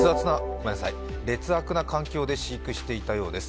劣悪な環境で飼育していたようです。